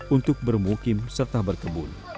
untuk bermukim serta berkebun